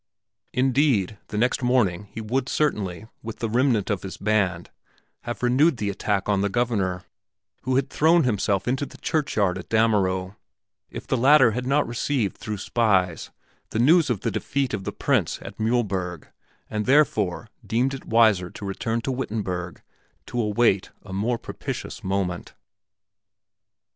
Indeed, the next morning he would certainly with the remnant of his band have renewed the attack on the Governor, who had thrown himself into the churchyard at Damerow, if the latter had not received through spies the news of the defeat of the Prince at Mühlberg and therefore deemed it wiser to return to Wittenberg to await a more propitious moment.